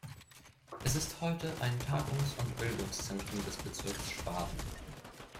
Es ist heute ein Tagungs- und Bildungszentrum des Bezirks Schwaben.